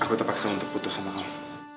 aku terpaksa untuk putus sama kamu